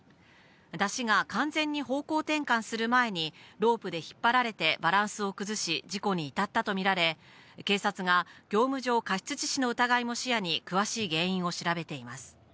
山車が完全に方向転換する前に、ロープで引っ張られてバランスを崩し、事故に至ったと見られ、警察が業務上過失致死の疑いも視野に詳しい原因を調べています。